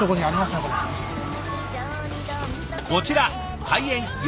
こちら開園